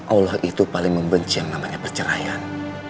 allah itu paling membenci yang namanya perceraian